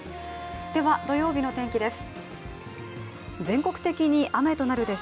では、土曜日の天気です。